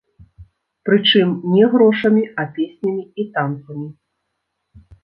Прычым, не грошамі, а песнямі і танцамі.